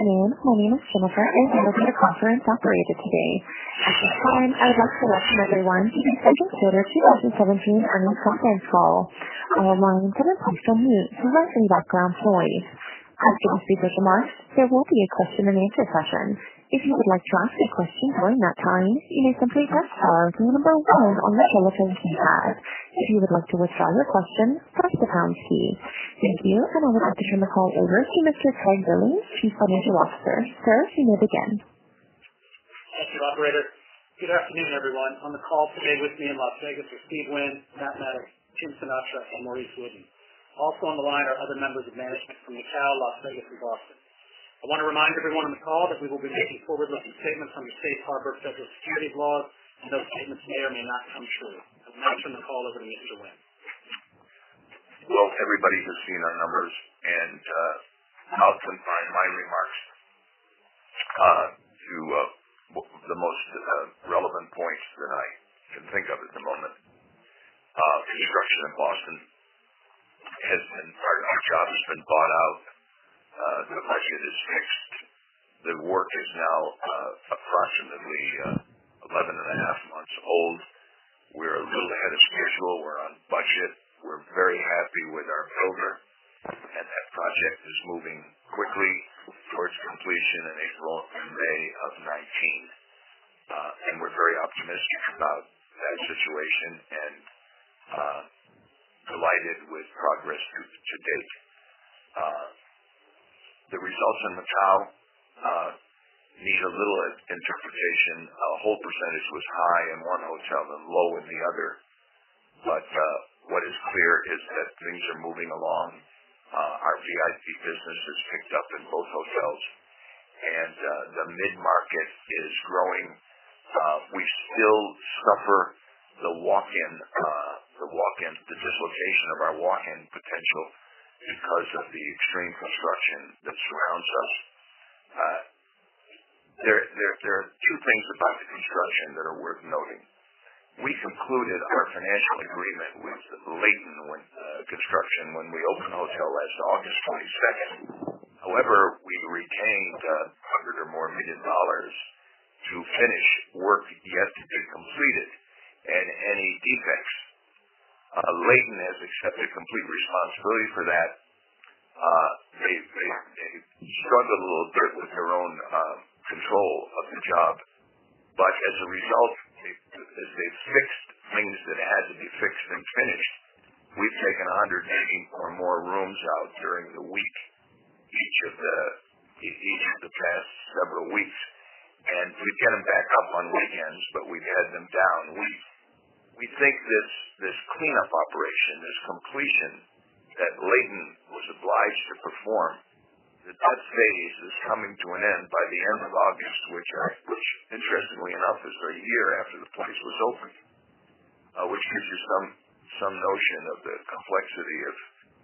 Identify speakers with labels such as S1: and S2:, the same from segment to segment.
S1: Good afternoon. My name is Jennifer, and I will be the conference operator today. At this time, I would like to welcome everyone to the Wynn Resorts Q2 2017 earnings conference call. Our lines have been placed on mute to eliminate background noise. After the speakers' remarks, there will be a question-and-answer session. If you would like to ask a question during that time, you may simply press star then the number one on your telephone keypad. If you would like to withdraw your question, press the pound key. Thank you. I would like to turn the call over to Mr. Craig Billings, Chief Financial Officer. Sir, you may begin.
S2: Thank you, operator. Good afternoon, everyone. On the call today with me in Las Vegas are Steve Wynn, Matt Maddox, Stephen Crosby, and Maurice Wooden. Also on the line are other members of management from Macau, Las Vegas, and Boston. I want to remind everyone on the call that we will be making forward-looking statements under the safe harbor of federal securities laws. Those statements may or may not come true. With that, I turn the call over to Mr. Wynn.
S3: Well, everybody has seen our numbers. I'll confine my remarks to the most relevant points that I can think of at the moment. Construction in Boston. Our job has been bought out. The budget is fixed. The work is now approximately 11 and a half months old. We're a little ahead of schedule. We're on budget. We're very happy with our builder. That project is moving quickly towards completion in April and May of 2019. We're very optimistic about that situation and delighted with progress to date. The results in Macau need a little interpretation. Occupancy was high in one hotel but low in the other. What is clear is that things are moving along. Our VIP business has picked up in both hotels. The premium mass is growing. We still suffer the dislocation of our walk-in potential because of the extreme construction that surrounds us. There are two things about the construction that are worth noting. We concluded our financial agreement with Leighton Asia when we opened the hotel last August 22nd. However, we retained $100 million or more to finish work yet to be completed and any defects. Leighton has accepted complete responsibility for that. They struggled a little bit with their own control of the job. As a result, as they've fixed things that had to be fixed and finished, we've taken 180 or more rooms out during the week, each of the past several weeks. We get them back up on weekends, but we've had them down. We think this cleanup operation, this completion that Leighton was obliged to perform, that that phase is coming to an end by the end of August, which interestingly enough, is a year after the place was opened, which gives you some notion of the complexity of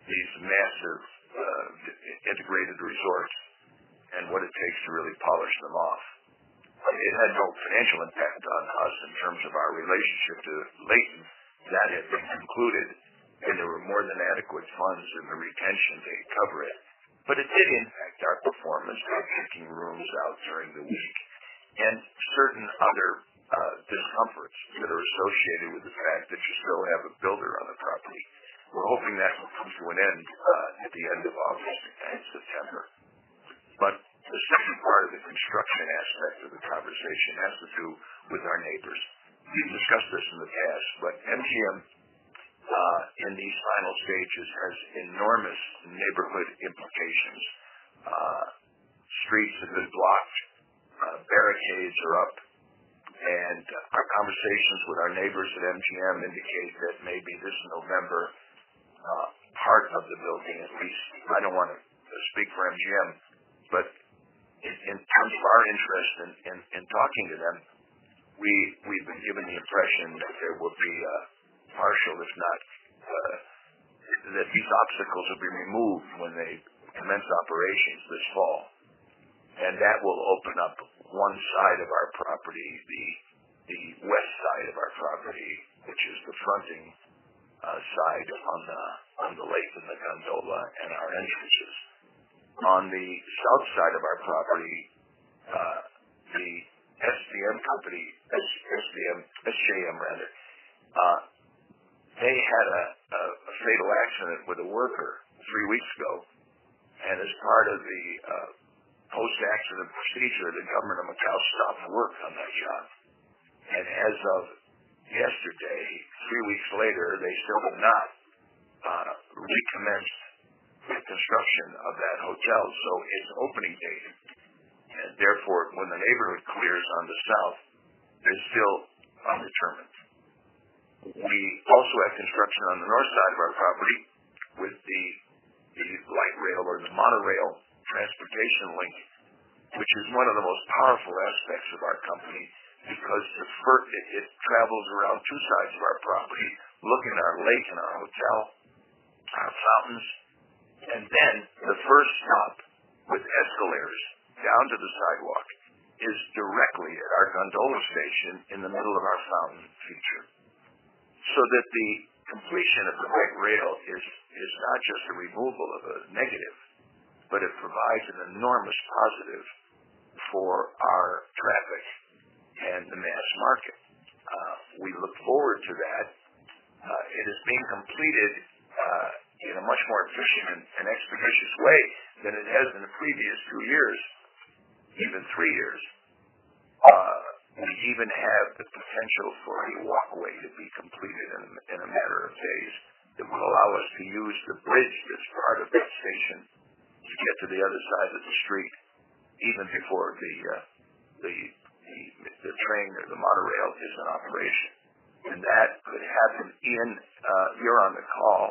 S3: these massive integrated resorts and what it takes to really polish them off. It had no financial impact on us in terms of our relationship to Leighton. That had been concluded, and there were more than adequate funds in the retention to cover it. It did impact our performance by taking rooms out during the week and certain other discomforts that are associated with the fact that you still have a builder on the property. We're hoping that will come to an end at the end of August and September. The second part of the construction aspect of the conversation has to do with our neighbors. We've discussed this in the past, but MGM, in these final stages, has enormous neighborhood implications. Streets have been blocked, barricades are up, Our conversations with our neighbors at MGM indicate that maybe this November, part of the building, at least I don't want to speak for MGM, but in terms of our interest in talking to them, we've been given the impression that there will be a partial, if not That these obstacles will be removed when they commence operations this fall, That will open up one side of our property, the west side of our property, which is the fronting side on the lake and the gondola and our entrances. On the south side of our property, the SJM company, they had a fatal accident with a worker three weeks ago, and as part of the post-accident procedure, the government of Macau stopped work on that job. As of yesterday, three weeks later, they still have not recommenced the construction of that hotel. Its opening date, and therefore when the neighborhood clears on the south, is still undetermined. We also have construction on the north side of our property with the light rail or the monorail transportation link, which is one of the most powerful aspects of our company because it travels around two sides of our property, looking at our lake and our hotel, our fountains, and then the first stop with escalators down to the sidewalk is directly at our gondola station in the middle of our fountain feature. That the completion of the monorail is not just a removal of a negative, but it provides an enormous positive for our traffic and the mass market. We look forward to that. It is being completed in a much more efficient and expeditious way than it has in the previous two years, even three years. We even have the potential for a walkway to be completed in a matter of days that will allow us to use the bridge as part of that station to get to the other side of the street, even before the monorail is in operation. That could happen. You're on the call.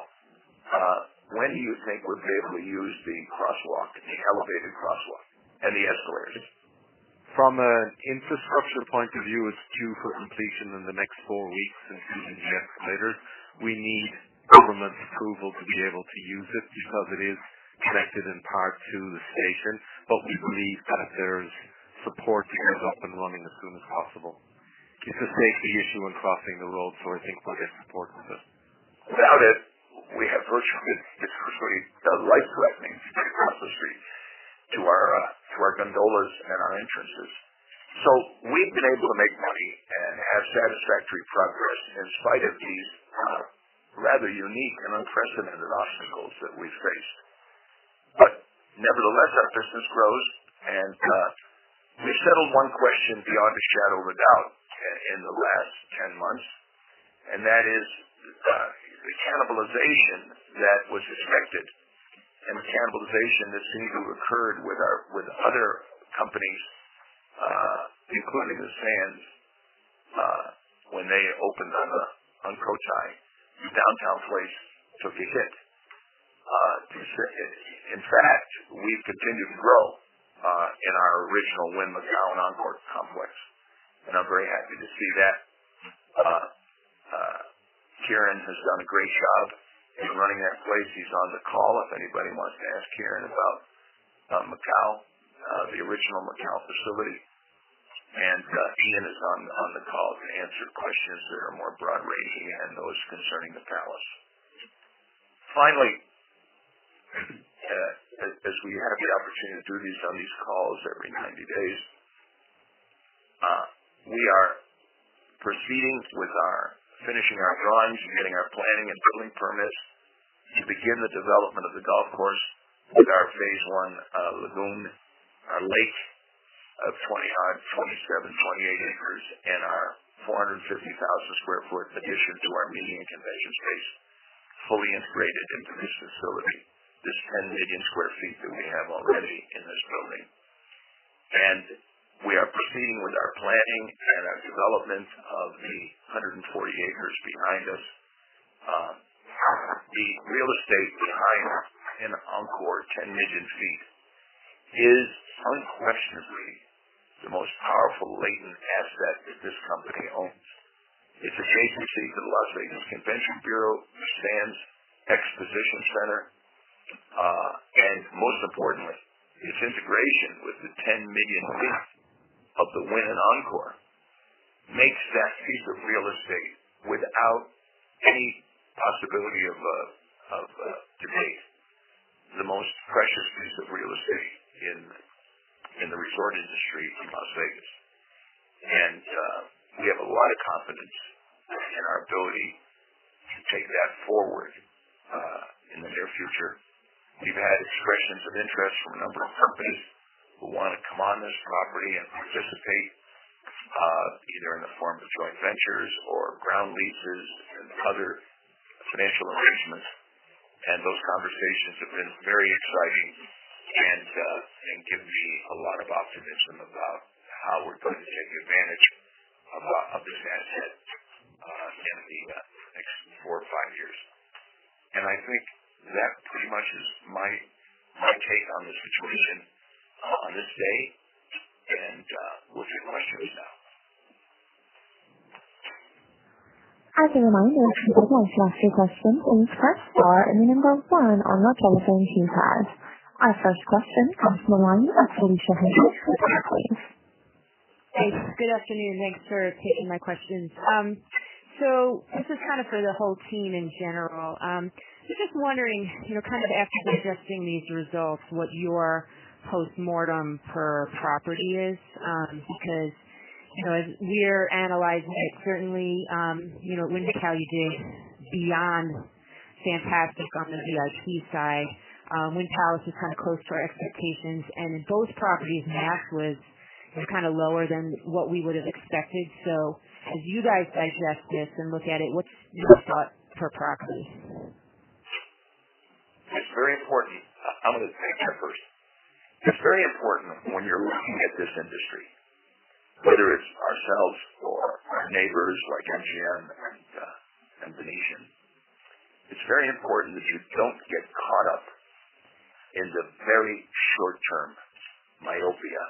S3: When do you think we'll be able to use the crosswalk, the elevated crosswalk, and the escalators?
S4: From an infrastructure point of view, it's due for completion in the next four weeks, including the escalator. We need government approval to be able to use it because it is connected in part to the station. We believe that there's support to get it up and running as soon as possible. It's a safety issue when crossing the road, I think we'll get support for this.
S3: Without it's virtually life-threatening to cross the street to our gondolas and our entrances. We've been able to make money and have satisfactory progress in spite of these rather unique and unprecedented obstacles that we've faced. Nevertheless, our business grows, and we've settled one question beyond a shadow of a doubt in the last 10 months. That is the cannibalization that was expected, the cannibalization that seemed to have occurred with other companies, including the Sands, when they opened on the Cotai, Downtown Place took a hit. In fact, we've continued to grow in our original Wynn Macau and Encore complex, and I'm very happy to see that. Ciarán has done a great job in running that place. He's on the call if anybody wants to ask Ciarán about Macau, the original Macau facility. Ian is on the call to answer questions that are more broad-ranging than those concerning the Palace. Finally, as we have the opportunity to do these on these calls every 90 days, we are proceeding with finishing our drawings and getting our planning and building permits to begin the development of the golf course with our phase 1 lagoon, our lake of 27, 28 acres, and our 450,000 sq ft addition to our meeting and convention space, fully integrated into this facility, this 10 million sq ft that we have already in this building. We are proceeding with our planning and our development of the 140 acres behind us. The real estate behind Encore, 10 million feet, is unquestionably the most powerful latent asset that this company owns. It's adjacent to the Las Vegas Convention Center and the Sands Expo and Convention Center. Most importantly, its integration with the 10 million feet of the Wynn and Encore makes that piece of real estate, without any possibility of debate, the most precious piece of real estate in the resort industry in Las Vegas. We have a lot of confidence in our ability to take that forward in the near future. We've had expressions of interest from a number of companies who want to come on this property and participate, either in the form of joint ventures or ground leases and other financial arrangements. Those conversations have been very exciting and give me a lot of optimism about how we're going to take advantage of this asset in the next four or five years. I think that pretty much is my take on the situation on this day. We'll take questions now.
S1: As a reminder, if you would like to ask a question, please press star and the number one on your telephone keypad. Our first question comes from the line of Felicia Hendrix with Barclays.
S5: Thanks. Good afternoon. Thanks for taking my questions. This is for the whole team in general. I'm just wondering, after digesting these results, what your postmortem per property is, because as we're analyzing it, certainly Wynn Macau did beyond fantastic on the VIP side. Wynn Palace was close to our expectations, and in both properties mass was lower than what we would have expected. As you guys digest this and look at it, what's your thought per property?
S3: It's very important. I'm going to take that first. It's very important when you're looking at this industry, whether it's ourselves or our neighbors like MGM and Venetian. It's very important that you don't get caught up in the very short-term myopia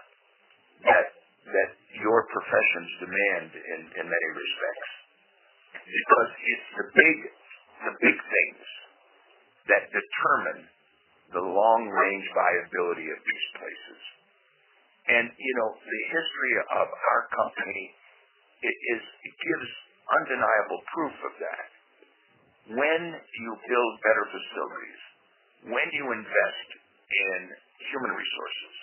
S3: that your professions demand in many respects, because it's the big thing Determine the long-range viability of these places. The history of our company, it gives undeniable proof of that. When you build better facilities, when you invest in human resources,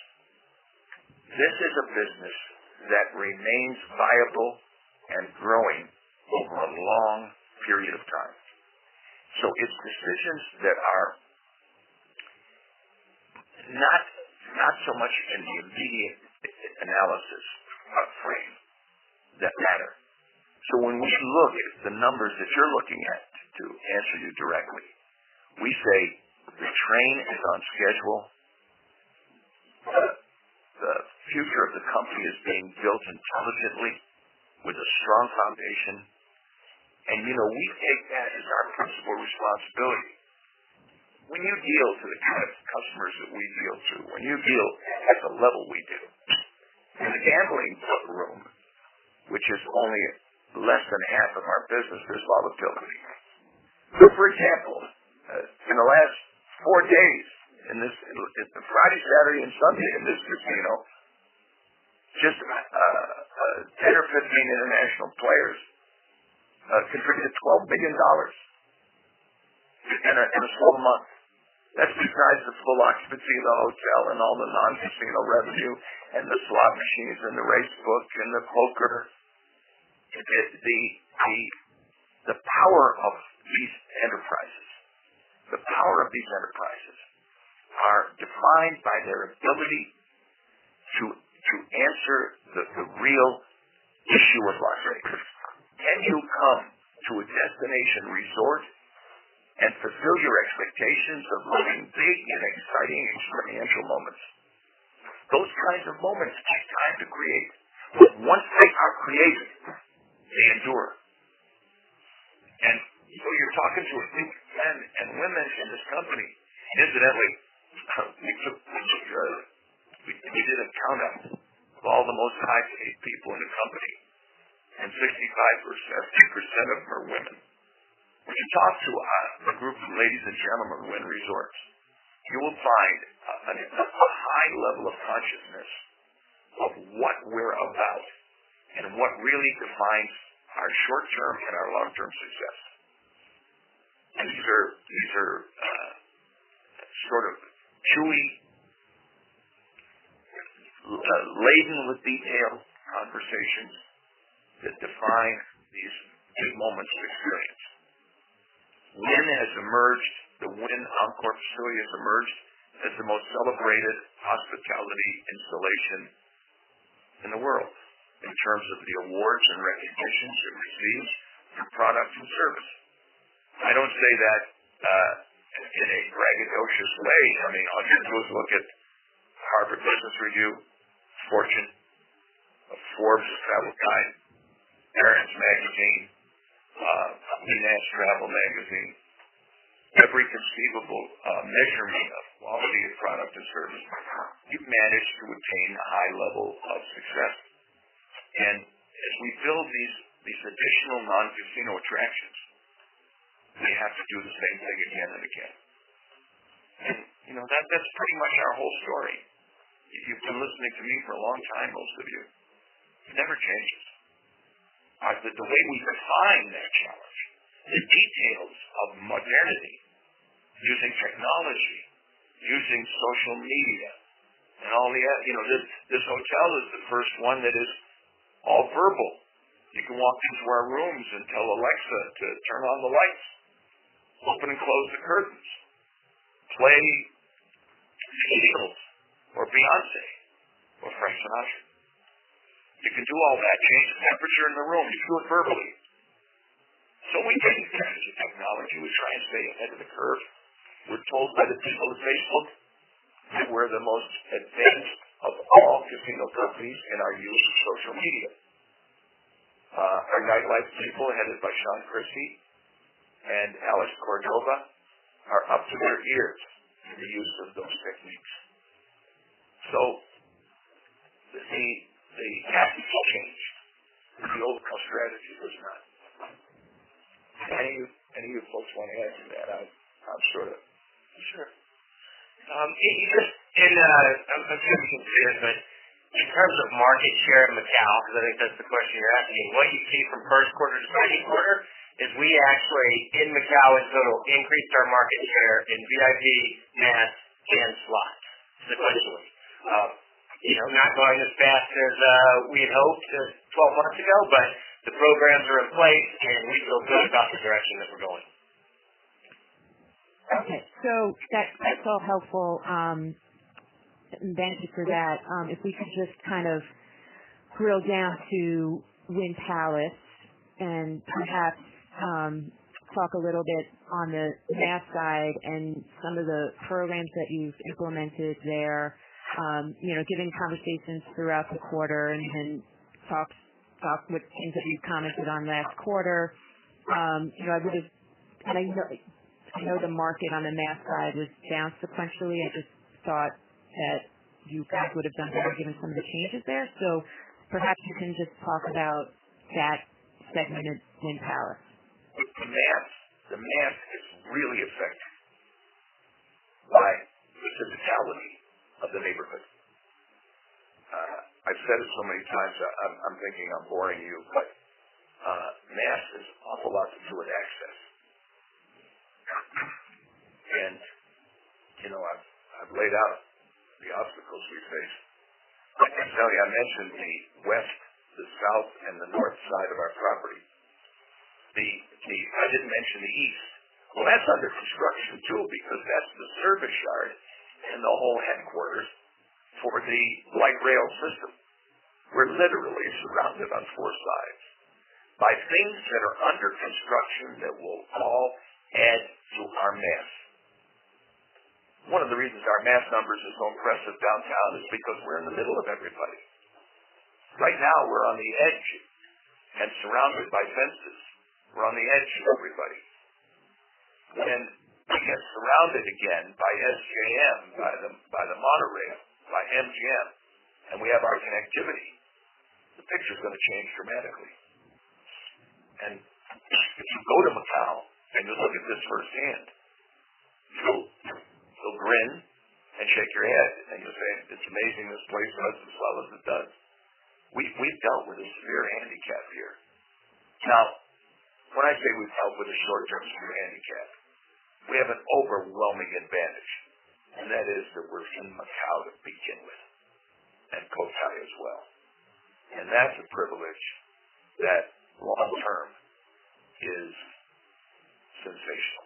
S3: this is a business that remains viable and growing over a long period of time. It's decisions that are not so much in the immediate analysis or frame that matter. When we look at the numbers that you're looking at, to answer you directly, we say the train is on schedule. The future of the company is being built intelligently with a strong foundation, we take that as our principal responsibility. When you deal to the kind of customers that we deal to, when you deal at the level we do, in the gambling room, which is only less than half of our business, there's volatility. For example, in the last four days, the Friday, Saturday, and Sunday in this casino, just 10 or 15 international players contributed $12 million in a slow month. That's besides the full occupancy in the hotel and all the non-casino revenue, the slot machines, and the race book, and the poker. The power of these enterprises are defined by their ability to answer the real issue with Las Vegas. Can you come to a destination resort and fulfill your expectations of living big and exciting experiential moments? Those kinds of moments take time to create, once they are created, they endure. You're talking to a group of men and women in this company. Incidentally, we did a count out of all the most high-paid people in the company, 65% of them are women. When you talk to a group of ladies and gentlemen of Wynn Resorts, you will find a high level of consciousness of what we're about and what really defines our short-term and our long-term success. These are sort of chewy, laden with detail conversations that define these big moment experiences. Wynn has emerged, the Wynn Encore facility has emerged as the most celebrated hospitality installation in the world in terms of the awards and recognitions it receives through product and service. I don't say that in a braggadocios way. I mean, look at Harvard Business Review, Fortune, Forbes Travel Guide, Parents Magazine, [Condé Nast Traveler] magazine, every conceivable measurement of quality of product and service. We've managed to attain a high level of success. As we build these additional non-casino attractions, we have to do the same thing again and again. That's pretty much our whole story. If you've been listening to me for a long time, most of you, it never changes. The way we define that challenge, the details of modernity, using technology, using social media, and all the other-- This hotel is the first one that is all verbal. You can walk into our rooms and tell Alexa to turn on the lights, open and close the curtains, play Seal or Beyoncé or Frank Sinatra. You can do all that, change the temperature in the room through verbally. We take advantage of technology. We try and stay ahead of the curve. We're told by the people at Facebook that we're the most advanced of all casino properties in our use of social media. Our nightlife people, headed by Sean Christie and Alex Cordova, are up to their ears in the use of those techniques. The tactics change. The overall strategy does not. Any of you folks want to add to that? I'm sure.
S6: Sure. I'm going to be brief here. In terms of market share in Macau, because I think that's the question you're asking, what you see from first quarter to second quarter is we actually, in Macau as a total, increased our market share in VIP, mass, and slots sequentially. Not going as fast as we had hoped 12 months ago, the programs are in place, and we feel good about the direction that we're going.
S5: Okay. That's all helpful. Thank you for that. If we could just kind of drill down to Wynn Palace and perhaps talk a little bit on the mass side and some of the programs that you've implemented there. Given conversations throughout the quarter and talk with things that you've commented on last quarter. I know the market on the mass side was down sequentially. I just thought that you guys would have done better given some of the changes there. Perhaps you can just talk about that. Second in power.
S3: The mass is really affected by the physicality of the neighborhood. I've said it so many times, I'm thinking I'm boring you, but mass has an awful lot to do with access. I've laid out the obstacles we face. I tell you, I mentioned the west, the south, and the north side of our property. I didn't mention the east. Well, that's under construction, too, because that's the service yard and the whole headquarters for the light rail system. We're literally surrounded on 4 sides by things that are under construction that will all add to our mass. One of the reasons our mass numbers is so impressive downtown is because we're in the middle of everybody. Right now, we're on the edge and surrounded by fences. We're on the edge of everybody. When we get surrounded again by SJM, by the monorail, by MGM, and we have our connectivity, the picture's going to change dramatically. If you go to Macau and you look at this firsthand, you'll grin and shake your head, and you'll say, "It's amazing this place does as well as it does." We've dealt with a severe handicap here. Now, when I say we've dealt with a short-term severe handicap, we have an overwhelming advantage, and that is that we're in Macau to begin with, and Cotai as well. That's a privilege that long-term is sensational.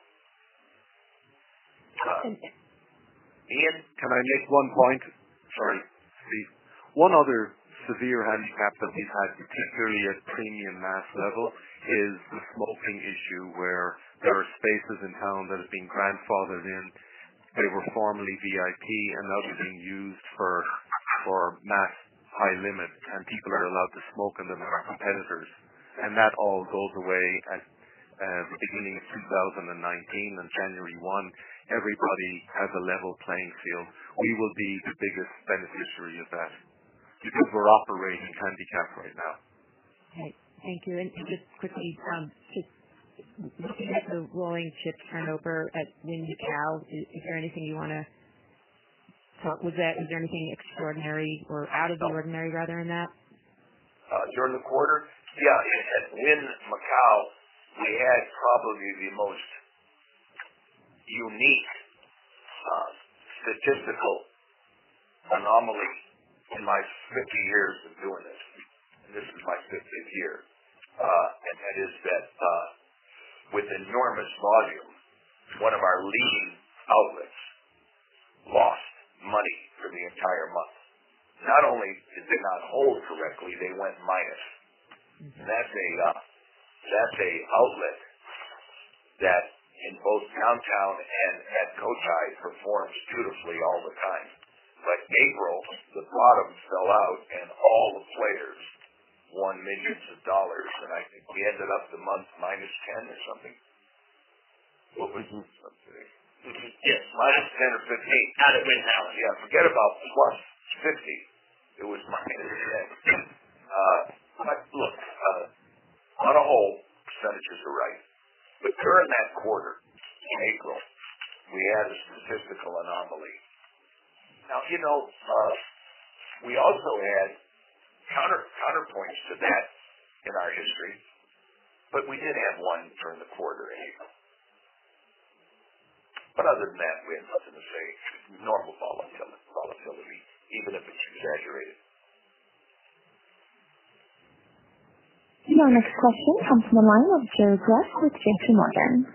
S3: Ian, can I make 1 point?
S4: Sorry.
S3: Please.
S4: One other severe handicap that we've had, particularly at premium mass level, is the smoking issue, where there are spaces in town that have been grandfathered in. They were formerly VIP, and now they're being used for mass high limits, and people are allowed to smoke in them that are competitors. That all goes away at the beginning of 2019. On January 1, everybody has a level playing field. We will be the biggest beneficiary of that because we're operating handicapped right now.
S5: Okay. Thank you. Just quickly, looking at the rolling chip turnover at Wynn Macau, is there anything extraordinary or out of the ordinary, rather, in that?
S3: During the quarter? Yeah. At Wynn Macau, we had probably the most unique statistical anomaly in my 50 years of doing this, and this is my 50th year. That is that with enormous volume, one of our leading outlets lost money for the entire month. Not only did they not hold correctly, they went minus. That's an outlet that in both downtown and at Cotai performs beautifully all the time. April, the bottom fell out and all the players won millions of dollars, and I think we ended up the month -10 or something. What was it, Jim?
S4: It was, yes.
S3: Minus 10 or 15.
S4: Out at Wynn Macau.
S3: Yeah, forget about plus 50. It was minus 10. Look, on a whole, percentages are right. During that quarter, in April, we had a statistical anomaly. We also had counterpoints to that in our history, but we did have one during the quarter of April. Other than that, we have nothing to say. Normal probability, even if it's exaggerated.
S1: Our next question comes from the line of Joseph Greff with J.P. Morgan.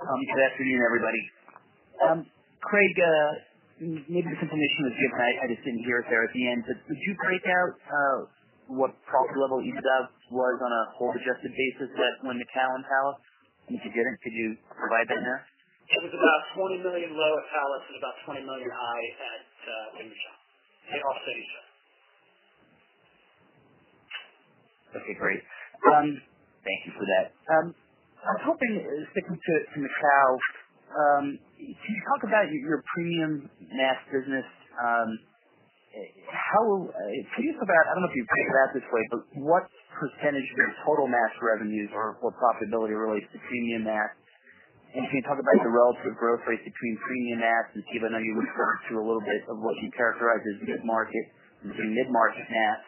S7: Good afternoon, everybody. Craig, maybe this information was given. I just didn't hear it there at the end. Could you break out what profit level you got was on a hold-adjusted basis at Wynn Macau and Wynn Palace? If you didn't, could you provide that now?
S2: It was about $20 million low at Wynn Palace and about $20 million high at Wynn Macau. They offset each other.
S7: Okay, great. Thank you for that. I was hoping, sticking to Macau, can you talk about your premium mass business? I don't know if you break it out this way, but what % of your total mass revenues or profitability relates to premium mass? Can you talk about the relative growth rate between premium mass and, Steve, I know you referred to a little bit of what you characterize as mid-market, between mid-market mass.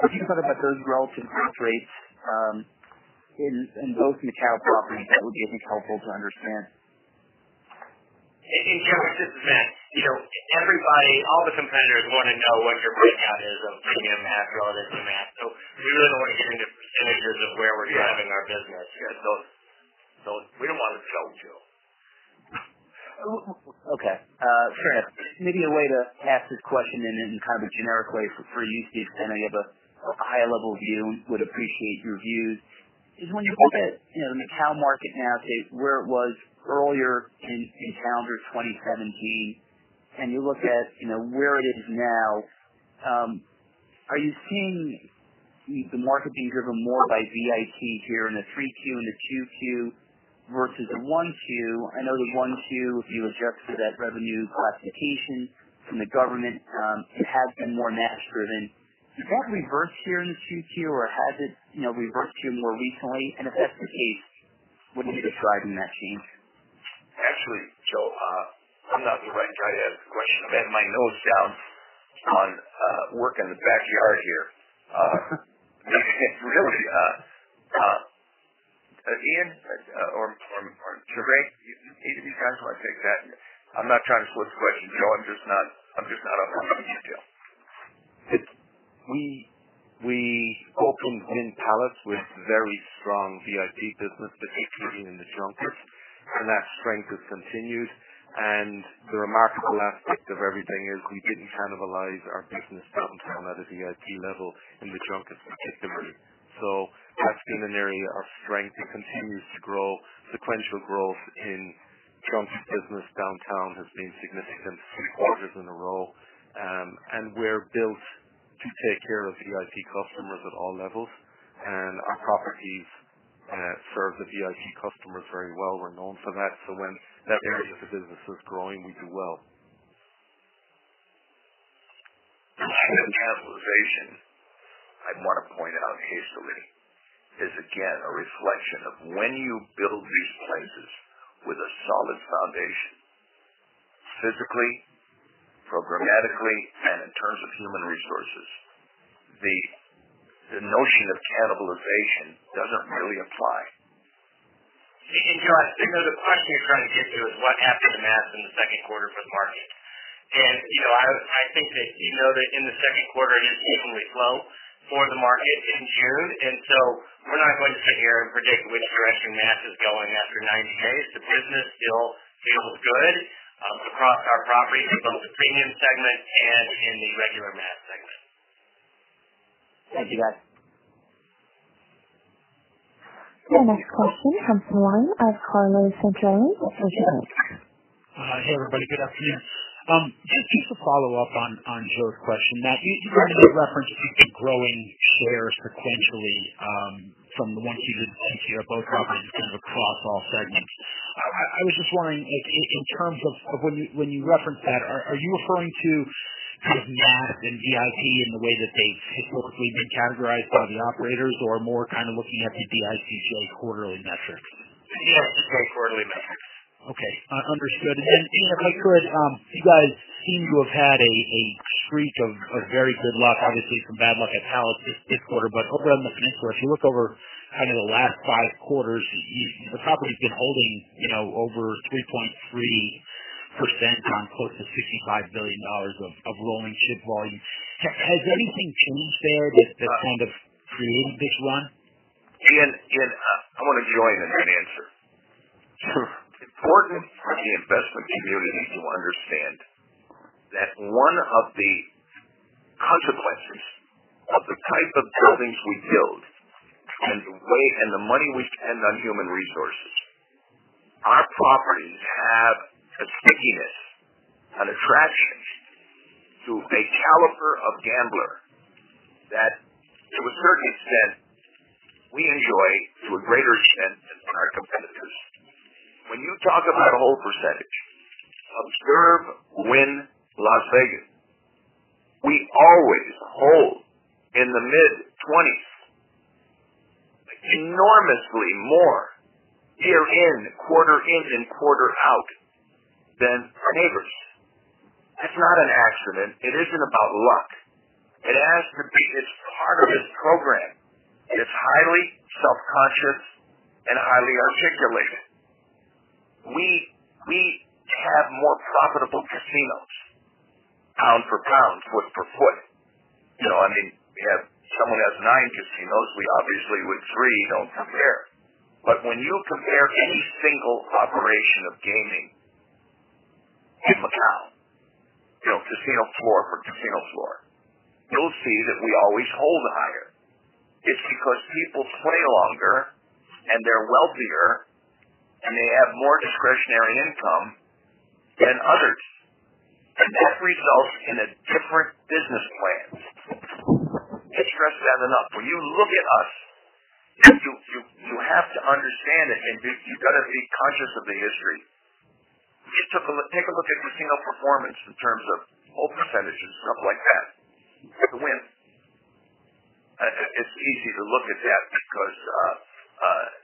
S7: Could you talk about those relative growth rates in both Macau properties? That would be, I think, helpful to understand.
S3: Joe, it's just math. Everybody, all the competitors want to know what your breakout is of premium mass relative to mass. We really don't want to get into % of where we're driving our business here. We don't want to tell Joe.
S7: Okay. Fair enough. Maybe a way to ask this question in kind of a generic way for you, Steve, so then I give a high level view, would appreciate your views, is when you look at the Macau market now, Steve, where it was earlier in calendar 2017, and you look at where it is now, are you seeing the market being driven more by VIP here in Q3 and Q2? Versus 1Q. I know 1Q, if you adjust for that revenue classification from the government, it had been more mass-driven. Has that reversed here in 2Q or has it reversed here more recently? If that's the case, what do you think is driving that change?
S3: Actually, Joe, I'm not the right guy to ask the question. I've had my nose down on work in the backyard here. Really. Ian or Craig, either of you guys want to take that? I'm not trying to flip the question, Joe. I'm just not up on the detail.
S4: We opened Wynn Palace with very strong VIP business particularly in the junkets, that strength has continued. The remarkable aspect of everything is we didn't cannibalize our business downtown at a VIP level in the junkets particularly. That's been an area of strength. It continues to grow. Sequential growth in junket business downtown has been significant 3 quarters in a row. We're built to take care of VIP customers at all levels, and our properties serve the VIP customers very well. We're known for that. When that area of the business is growing, we do well.
S3: The cannibalization, I want to point out hastily, is again a reflection of when you build these places with a solid foundation, physically, programmatically, and in terms of human resources, the notion of cannibalization doesn't really apply.
S6: Joe, I think that the question you're trying to get to is what happened to mass in the second quarter for the market. I think that you know that in the second quarter, it is seasonally slow for the market in June, we're not going to sit here and predict which direction mass is going after 90 days. The business still feels good across our properties in both the premium segment and in the regular mass segment.
S7: Thank you, guys.
S1: Our next question comes from the line of Carlo Santarelli with Bank.
S8: Hey, everybody. Good afternoon. To follow up on Joe's question, Matt, you guys have referenced you've been growing share sequentially from the 1Q to the 2Q at both properties kind of across all segments. I was just wondering if in terms of when you reference that, are you referring to kind of mass and VIP in the way that they've historically been categorized by the operators or more kind of looking at the DICJ quarterly metrics?
S6: DICJ quarterly metrics.
S8: Okay. Understood. Ian, if I could, you guys seem to have had a streak of very good luck, obviously some bad luck at Wynn Palace this quarter. Over on the financial, if you look over kind of the last five quarters, the property's been holding over 3.3% on close to $55 billion of rolling chip volume. Has anything changed there that's kind of creating this run?
S3: Ian, I want to join in and answer. It's important for the investment community to understand that one of the consequences of the type of buildings we build and the money we spend on human resources, our properties have a stickiness, an attraction to a caliber of gambler that, to a certain extent, we enjoy to a greater extent than our competitors. When you talk about hold percentage, observe Wynn Las Vegas. We always hold in the mid-twenties enormously more year in, quarter in and quarter out than our neighbors. That's not an accident. It isn't about luck. It has to be. It's part of this program. It is highly self-conscious and highly articulated. We have more profitable casinos, pound for pound, foot for foot. If someone has nine casinos, we obviously with three don't compare. When you compare any single operation of gaming in Macau, casino floor for casino floor, you'll see that we always hold higher. It's because people play longer, and they're wealthier, and they have more discretionary income than others. That results in a different business plan. Can't stress that enough. When you look at us, you have to understand it, and you've got to be conscious of the history. Take a look at casino performance in terms of hold percentages and stuff like that at the Wynn. It's easy to look at that because the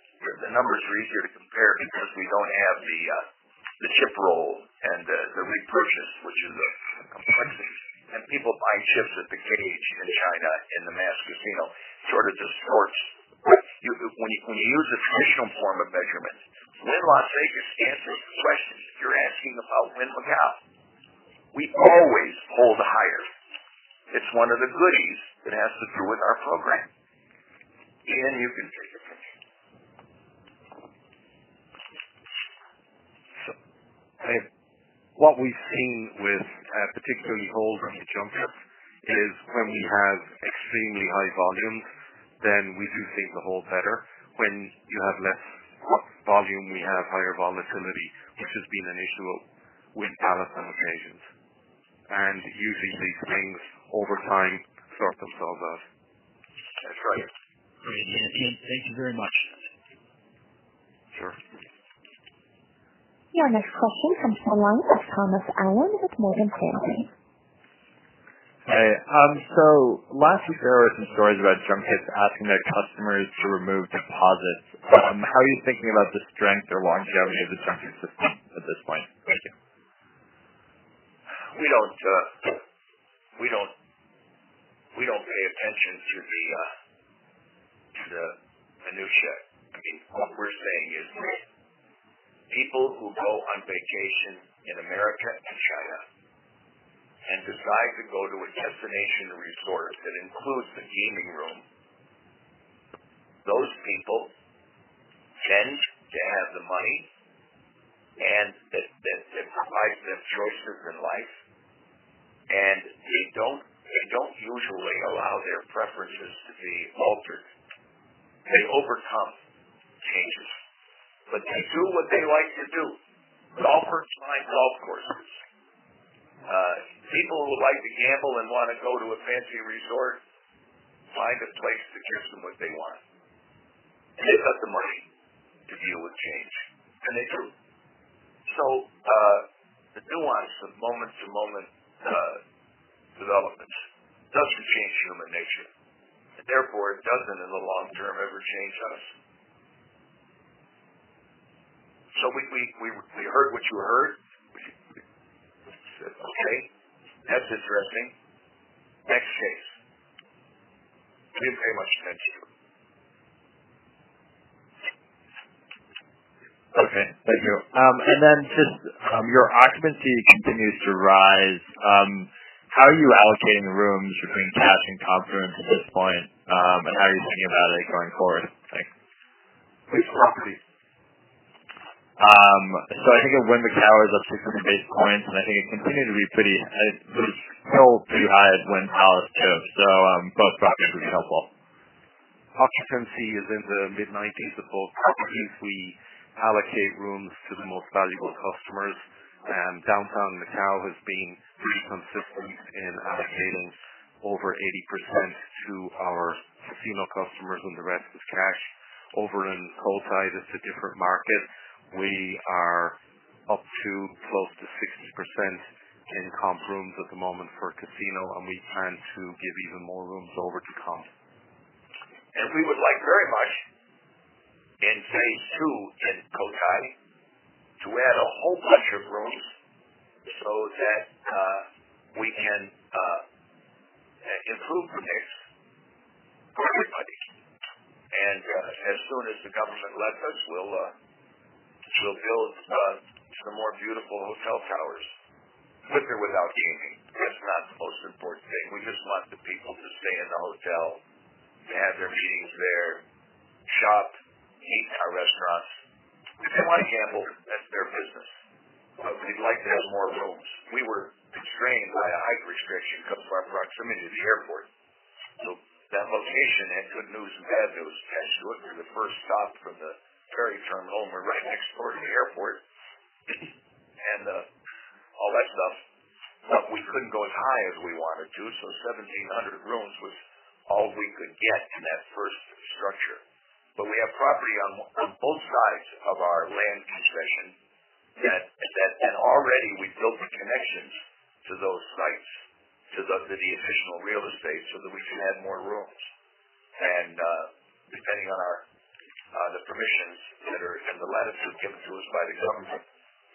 S3: numbers are easier to compare because we don't have the chip roll and the repurchase, which is a complexity. People buying chips at the cage in China in the mass casino sort of distorts. When you use a traditional form of measurement, Wynn Las Vegas answers the question you're asking about Wynn Macau. We always hold higher. It's one of the goodies that has to do with our program. Ian, you can take a pitch.
S4: What we've seen with particularly holds on the junkets is when we have extremely high volumes, then we do seem to hold better. When you have less volume, we have higher volatility, which has been an issue with Palace on occasions. Usually these things over time sort themselves out.
S3: That's right.
S8: Great. Ian, thank you very much.
S3: Sure.
S1: Your next question comes from the line of Thomas Allen with Morgan Stanley.
S9: Last week there were some stories about junkets asking their customers to remove deposits. How are you thinking about the strength or longevity of the junket system at this point? Thank you.
S3: We don't pay attention to the minutia. What we're saying is people who go on vacation in America and China and decide to go to a destination resort that includes a gaming room, those people tend to have the money, and that provides them choices in life, and they don't usually allow their preferences to be altered. They overcome changes, but they do what they like to do. Golfers find golf courses. People who like to gamble and want to go to a fancy resort find a place that gives them what they want, and they've got the money to deal with change, and they do. The nuance of moment to moment developments doesn't change human nature, and therefore it doesn't, in the long term, ever change us. We heard what you heard. We said, "Okay, that's interesting. Next case." We didn't pay much attention.
S9: Okay. Thank you. Then just your occupancy continues to rise. How are you allocating the rooms between cash and comp rooms at this point, and how are you thinking about it going forward? Thanks.
S3: Which property?
S9: I think at Wynn Macau is up 600 basis points, and I think it continued to be pretty well too high at Wynn Palace too. Both properties would be helpful.
S3: Occupancy is in the mid-90s at both properties. We allocate rooms to the most valuable customers, downtown Macau has been pretty consistent in allocating over 80% to our casino customers and the rest is cash. Cotai, that's a different market. We are up to close to 60% in comp rooms at the moment for casino, and we plan to give even more rooms over to comp. We would like very much in phase 2 in Cotai to add a whole bunch of rooms so that we can improve the mix for everybody. As soon as the government lets us, we'll build some more beautiful hotel towers with or without gaming. That's not the most important thing. We just want the people to stay in the hotel, to have their meetings there, shop, eat in our restaurants. If they want to gamble, that's their business. We'd like to have more rooms. We were constrained by a height restriction because of our proximity to the airport. That location had good news and bad news attached to it. We're the first stop from the ferry terminal. We're right next door to the airport and all that stuff. We couldn't go as high as we wanted to, 1,700 rooms was all we could get in that first structure. We have property on both sides of our land concession, already we've built the connections to those sites, to the additional real estate, so that we can add more rooms. Depending on the permissions that are in the latitude given to us by the government,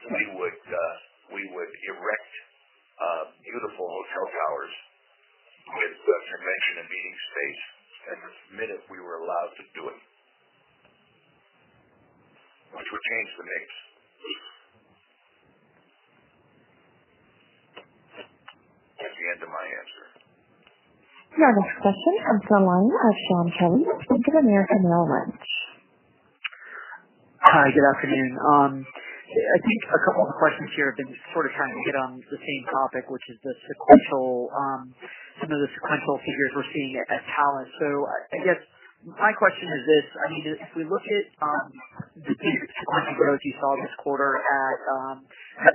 S3: we would erect beautiful hotel towers with convention and meeting space the minute we were allowed to do it, which would change the mix. That's the end of my answer.
S1: Your next question comes from the line of Shaun Kelley with Bank of America Merrill Lynch.
S10: Hi, good afternoon. I think a couple of the questions here have been sort of trying to get on the same topic, which is some of the sequential figures we're seeing at Palace. I guess my question is this, if we look at the kind of growth you saw this quarter at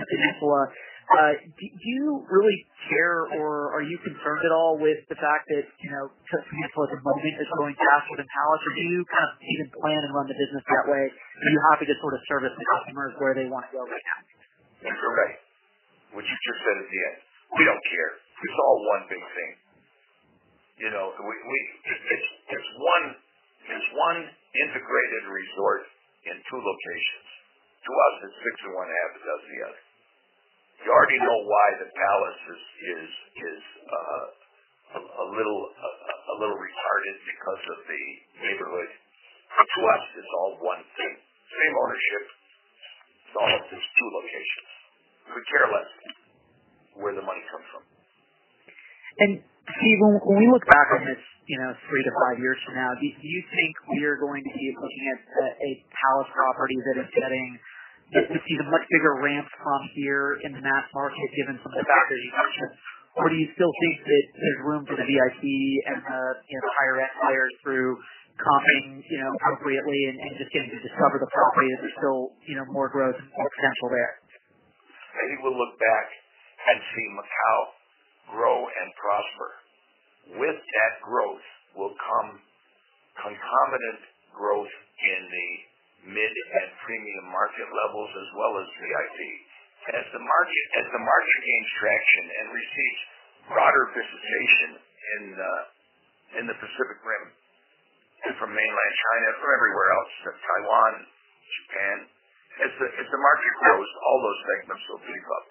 S10: City of Dreams, do you really care or are you concerned at all with the fact that City of Dreams at the moment is [gaining cash with the Palace]? Do you kind of even plan and run the business that way? Are you happy to sort of service the customers where they want to go right now?
S3: You're correct. What you just said at the end. We don't care. It's all one big thing. There's one integrated resort in two locations. To us, it's fixed in one half. It does the other. You already know why the Palace is a little retarded because of the neighborhood. To us, it's all one thing, same ownership. It's all just two locations. We could care less where the money comes from.
S10: Steve, when we look back on this three to five years from now, do you think we are going to be looking at a Palace property that we see the much bigger ramp comp year in the mass market given some of the factors you mentioned? Or do you still think that there's room for the VIP and the higher-end players through comping appropriately and just getting to discover the property? Is there still more growth potential there?
S3: Maybe we'll look back and see Macau grow and prosper. With that growth will come concomitant growth in the mid and premium market levels as well as VIP. As the market gains traction and receives broader visitation in the Pacific Rim and from mainland China, from everywhere else, from Taiwan, Japan. As the market grows, all those segments will beef up.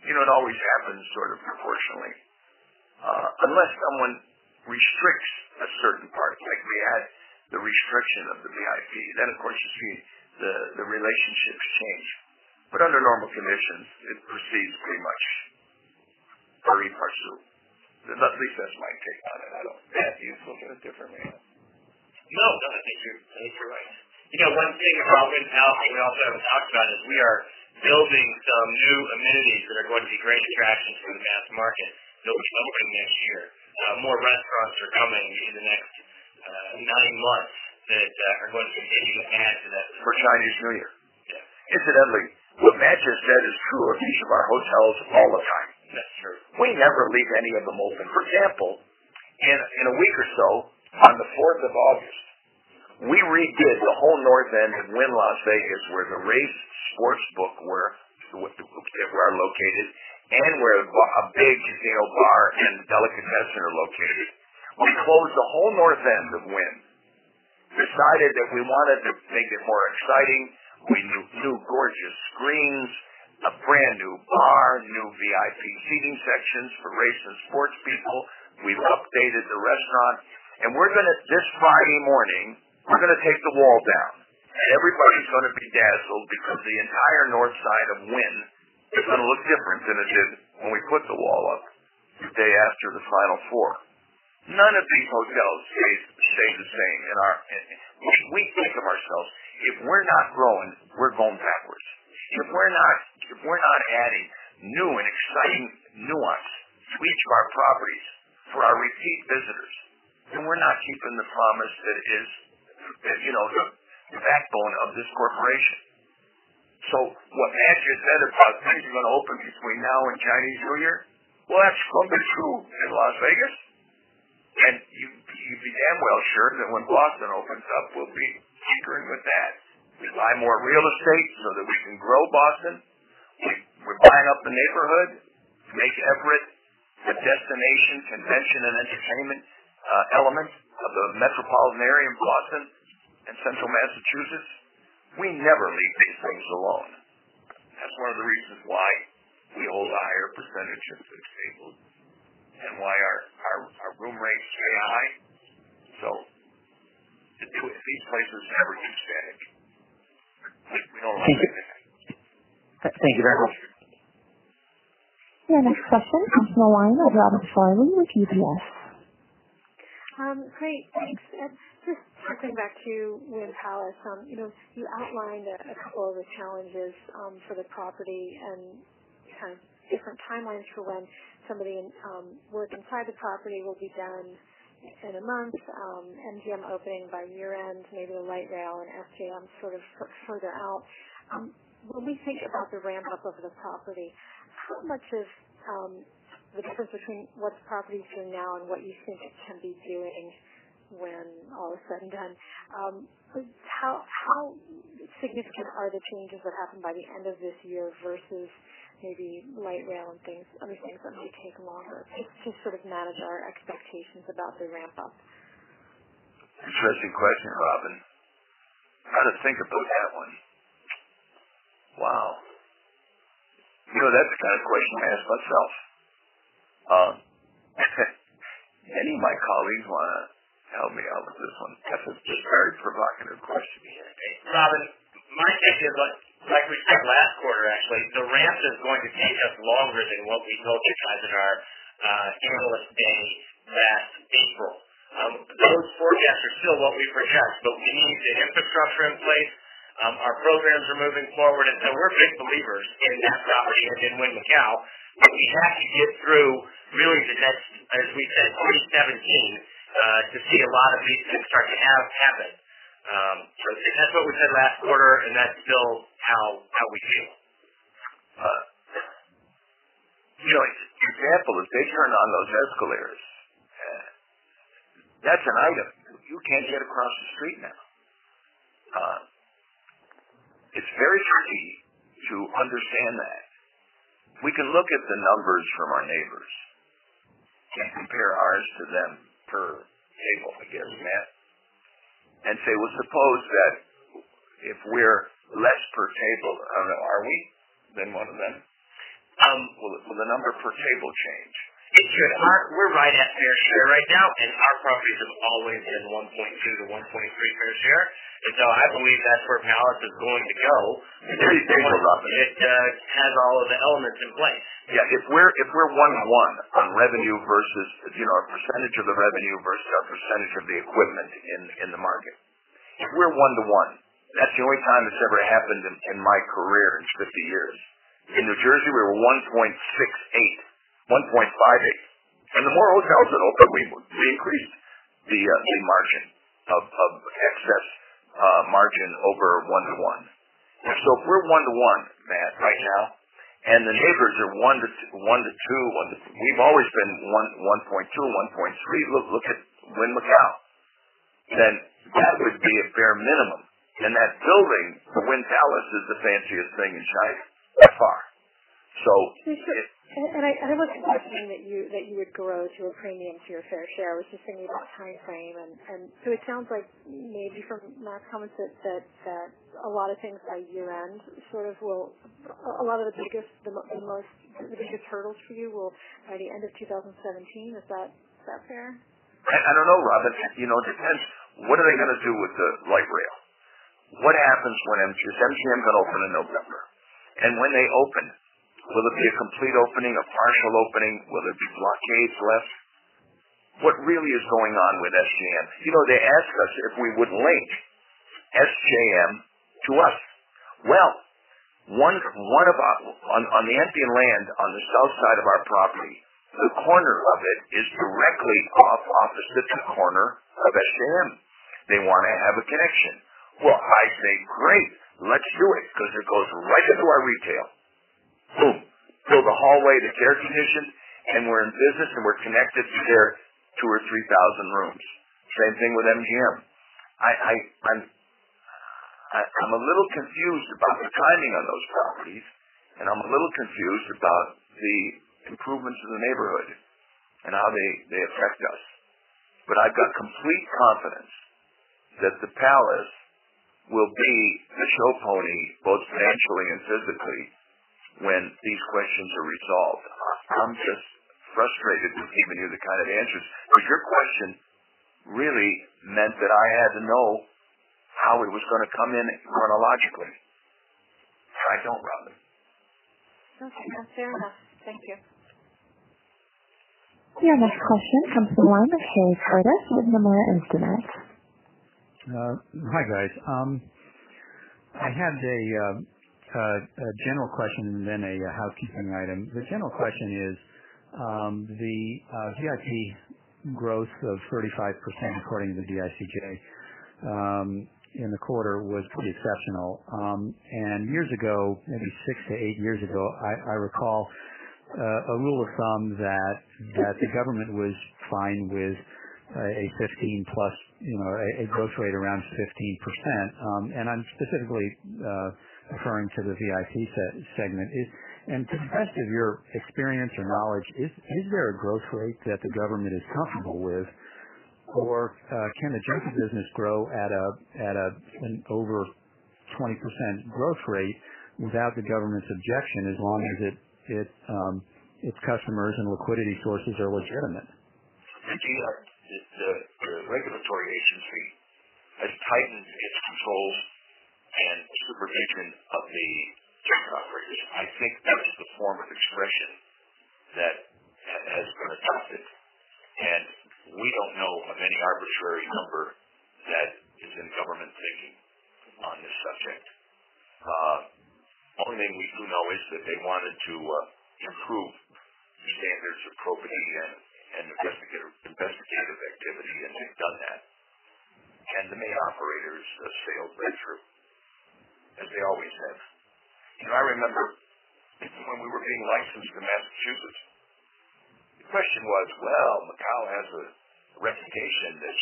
S3: It always happens sort of proportionally. Unless someone restricts a certain part, like we had the restriction of the VIP, then, of course, you see the relationships change. Under normal conditions, it proceeds pretty much pari passu. That's at least my take on it. I don't know. Matt views it a little different way.
S6: No, I think you're right. One thing about Wynn Macau that we also haven't talked about is we are building some new amenities that are going to be great attractions for the mass market that we'll be opening next year. More restaurants are coming in the next nine months that are going to continue to add to that-
S3: For Chinese New Year.
S6: Yeah.
S3: Incidentally, what Matt just said is true of each of our hotels all the time.
S6: That's true.
S3: We never leave any of them open. For example, in a week or so, on the 4th of August, we redid the whole north end of Wynn Las Vegas, where the race sports book are located, and where a big scale bar and delicatessen are located. We closed the whole north end of Wynn, decided that we wanted to make it more exciting. We put new gorgeous screens, a brand-new bar, new VIP seating sections for race and sports people. We've updated the restaurant, and this Friday morning, we're going to take the wall down, and everybody's going to be dazzled because the entire north side of Wynn is going to look different than it did when we put the wall up the day after the Final Four. None of these hotels stay the same. We think of ourselves, if we're not growing, we're going backwards. If we're not adding new and exciting nuance to each of our properties for our repeat visitors, then we're not keeping the promise that is the backbone of this corporation. What Matt just said about things we're going to open between now and Chinese New Year, well, that's going to be true in Las Vegas, and you'd be damn well sure that when Boston opens up, we'll be tinkering with that. We buy more real estate so that we can grow Boston. We're buying up the neighborhood to make Everett the destination convention and entertainment element of the metropolitan area in Boston and Central Massachusetts. We never leave these things alone. That's one of the reasons why we hold a higher percentage of the table and why our room rates stay high. These places never do static. We don't like it.
S10: Thank you. Thank you very much.
S1: Your next question comes from the line with Robin Farley with UBS.
S11: Great. Thanks. Just circling back to Wynn Palace. You outlined a couple of the challenges for the property and kind of different timelines for when some of the work inside the property will be done in a month, MGM opening by year-end, maybe the light rail, and SJM sort of further out. When we think about the ramp-up of the property, how much is the difference between what the property's doing now and what you think it can be doing when all is said and done? How significant are the changes that happen by the end of this year versus maybe light rail and other things that may take longer to sort of manage our expectations about the ramp-up?
S3: Interesting question, Robin. I ought to think about that one. Wow. That's the kind of question I ask myself. Any of my colleagues want to help me out with this one? That's a very provocative question.
S6: Robin, my take is on, like we said last quarter, actually, the ramp is going to take us longer than what we told you guys in our analyst day last April. Those forecasts are still what we project, but we need the infrastructure in place. We're big believers in that property and in Wynn Macau, but we have to get through really the next, as we said, early 2017, to see a lot of these things start to happen. That's what we said last quarter, and that's still how we feel.
S3: An example is they turn on those escalators. That's an item. You can't get across the street now. It's very tricky to understand that. We can look at the numbers from our neighbors. Can't compare ours to them per table, I guess, Matt, and say, well, suppose that if we're less per table, are we than one of them? Will the number per table change?
S6: We're right at fair share right now, our properties have always been 1.2-1.3 fair share. I believe that's where Macau is going to go.
S3: Let me think about that.
S6: It has all of the elements in place.
S3: Yeah. If we're one-to-one on revenue versus a percentage of the revenue versus our percentage of the equipment in the market, if we're one-to-one, that's the only time it's ever happened in my career in 50 years. In New Jersey, we were 1.68, 1.58, and the more hotels that open, we increase. The margin of excess margin over one-to-one. If we're one-to-one, Matt, right now, and the neighbors are one-to-two, we've always been one to 1.2, 1.3. Look at Wynn Macau. That would be a bare minimum. That building, the Wynn Palace, is the fanciest thing in China so far.
S11: I love the idea that you would grow to a premium to your fair share. I was just thinking about timeframe. It sounds like maybe from Matt's comments that a lot of the biggest hurdles for you will by the end of 2017. Is that fair?
S3: I don't know, Robin. It depends. What are they going to do with the light rail? What happens when MGM? Because MGM's going to open in November. When they open, will it be a complete opening, a partial opening? Will there be blockades left? What really is going on with SJM? They asked us if we would link SJM to us. Well, on the empty land on the south side of our property, the corner of it is directly opposite the corner of SJM. They want to have a connection. Well, I say, "Great, let's do it," because it goes right into our retail. Boom. Build a hallway, the air condition, and we're in business, and we're connected to their 2,000 or 3,000 rooms. Same thing with MGM. I'm a little confused about the timing on those properties, and I'm a little confused about the improvements in the neighborhood and how they affect us. I've got complete confidence that the Palace will be the show pony, both financially and physically, when these questions are resolved. I'm just frustrated we can't hear the kind of answers. Your question really meant that I had to know how it was going to come in chronologically. I don't, Robin.
S11: Okay. That's fair enough. Thank you.
S1: Your next question comes from the line of Steve Cordas with Nomura Instinet.
S12: Hi, guys. I had a general question, then a housekeeping item. The general question is, the VIP growth of 35%, according to the DICJ, in the quarter was pretty exceptional. Years ago, maybe six to eight years ago, I recall a rule of thumb that the government was fine with a growth rate around 15%. I'm specifically referring to the VIP segment. To the best of your experience or knowledge, is there a growth rate that the government is comfortable with, or can the junket business grow at an over 20% growth rate without the government's objection as long as its customers and liquidity sources are legitimate?
S3: The regulatory agency has tightened its controls and supervision of the junket operators. I think that is the form of expression that has been adopted. We don't know of any arbitrary number that is in government thinking on this subject. Only thing we do know is that they wanted to improve the standards of probity and investigative activity, and they've done that. The main operators sailed right through, as they always have. I remember when we were getting licensed in Massachusetts, the question was, well, Macau has a reputation that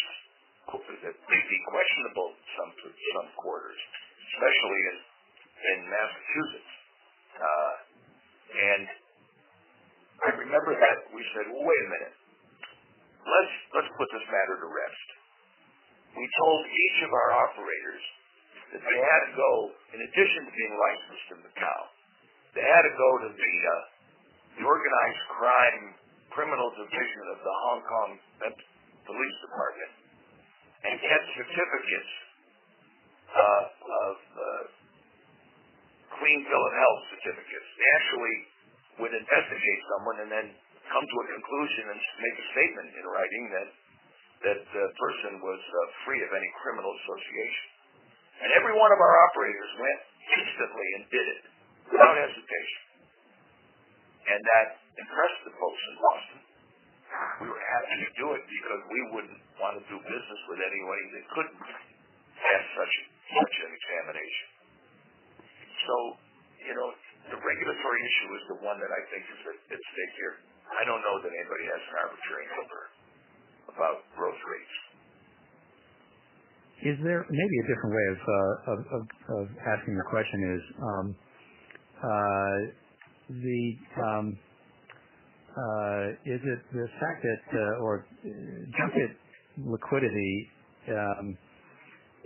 S3: may be questionable in some quarters, especially in Massachusetts. I remember that we said, "Well, wait a minute. Let's put this matter to rest." We told each of our operators that they had to go, in addition to being licensed in Macau, they had to go to the organized crime criminal division of the Hong Kong Police Force and get certificates of clean bill of health certificates. They actually would investigate someone and then come to a conclusion and make a statement in writing that the person was free of any criminal association. Every one of our operators went instantly and did it without hesitation. That impressed the folks in Boston. We were happy to do it because we wouldn't want to do business with anybody that couldn't pass such an examination. The regulatory issue is the one that I think is at stake here. I don't know that anybody has an arbitrary number about growth rates.
S12: Maybe a different way of asking the question is, junket liquidity, do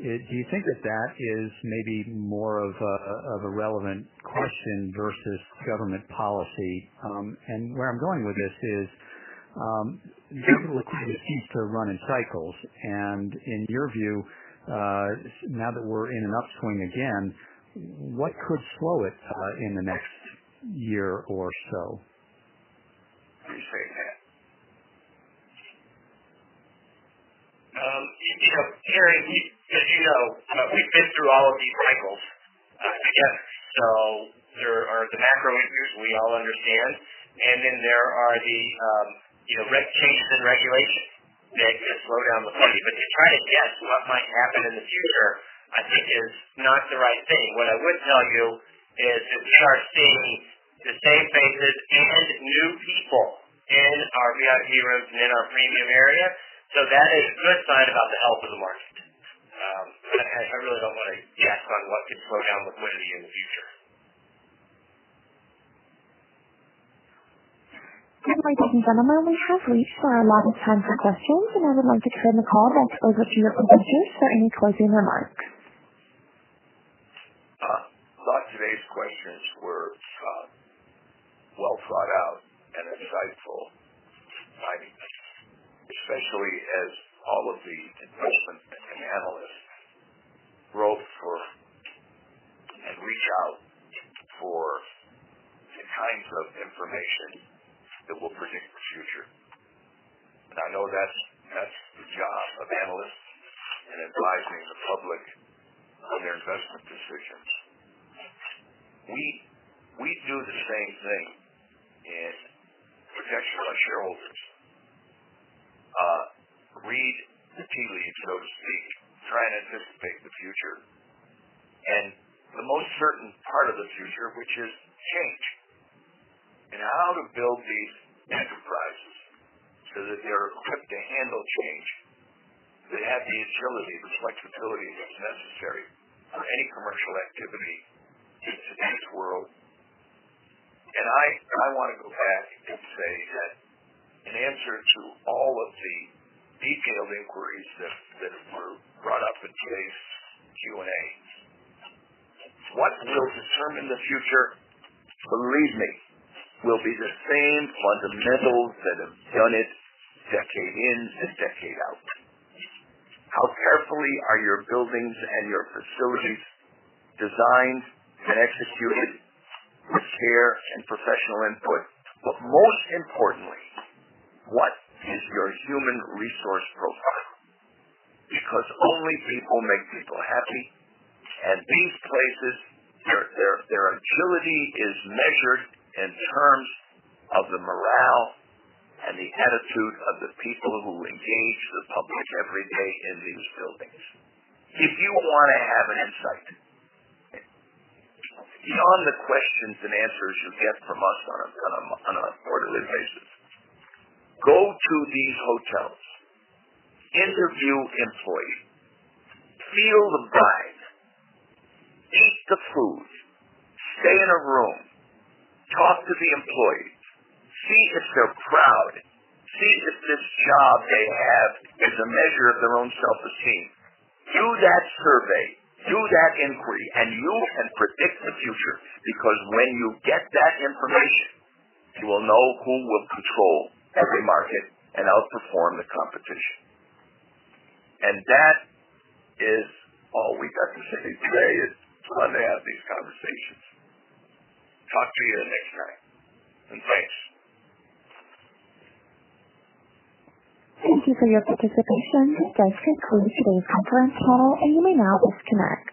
S12: you think that that is maybe more of a relevant question versus government policy? Where I'm going with this is junket liquidity seems to run in cycles, and in your view, now that we're in an upswing again, what could slow it in the next year or so?
S6: Let me say that. Gary, as you know, we've been through all of these cycles I guess so. There are the macro issues we all understand. Then there are the changes in regulation that could slow down liquidity. To try to guess what might happen in the future, I think is not the right thing. What I would tell you is that we are seeing the same faces and new people in our VIP rooms and in our premium area. That is a good sign about the health of the market. I really don't want to guess on what could slow down liquidity in the future.
S1: Ladies and gentlemen, we have reached our allotted time for questions. I would like to turn the call back over to you with conclusions or any closing remarks.
S3: A lot of today's questions were well thought out and insightful. Especially as all of the investment and analysts wrote for and reached out for the kinds of information that will predict the future. I know that's the job of analysts in advising the public on their investment decisions. We do the same thing in protecting our shareholders. Read the tea leaves, so to speak, try and anticipate the future and the most certain part of the future, which is change, and how to build these enterprises so that they're equipped to handle change, they have the agility, the flexibility that's necessary on any commercial activity in today's world. I want to go back and say that in answer to all of the detailed inquiries that were brought up in today's Q&A, what will determine the future, believe me, will be the same fundamentals that have done it decade in and decade out. How carefully are your buildings and your facilities designed and executed with care and professional input? Most importantly, what is your human resource profile? Because only people make people happy. These places, their agility is measured in terms of the morale and the attitude of the people who engage the public every day in these buildings. If you want to have an insight beyond the questions and answers you get from us on a quarterly basis, go to these hotels, interview employees, feel the vibe, eat the food, stay in a room, talk to the employees, see if they're proud, see if this job they have is a measure of their own self-esteem. Do that survey, do that inquiry, and you can predict the future. When you get that information, you will know who will control every market and outperform the competition. That is all we got to say today is to love to have these conversations. Talk to you the next time, and thanks.
S1: Thank you for your participation. That concludes today's conference call, and you may now disconnect.